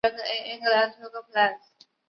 盛行修筑古坟的时代。